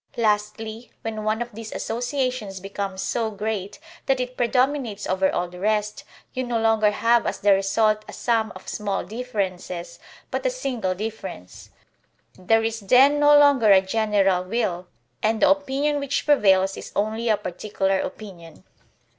Lastly, when one of these associations becomes so great that it predominates over all the rest, you no longer have as the result a sum of small differences, but a single difference; there is then no longer a general THE LIMITS OF THE SOVEREIGN POWER 25 will, and the opinion which prevails is only a particular opinion.